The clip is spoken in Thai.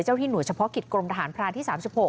ที่หน่วยเฉพาะกิจกรมทหารพรานที่๓๖